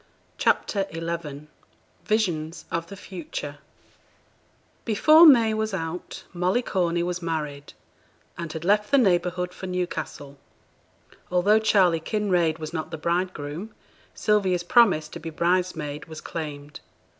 CHAPTER XI VISIONS OF THE FUTURE Before May was out, Molly Corney was married and had left the neighbourhood for Newcastle. Although Charley Kinraid was not the bridegroom, Sylvia's promise to be bridesmaid was claimed.